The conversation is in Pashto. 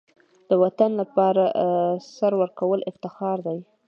د وطن لپاره سر ورکول افتخار دی.